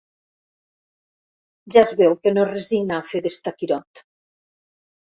Ja es veu que no es resigna a fer d'estaquirot.